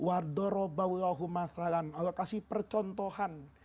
allah kasih percontohan